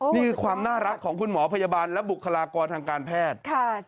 นี่คือความน่ารักของคุณหมอพยาบาลและบุคลากรทางการแพทย์